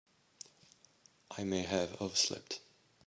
I may have overslept.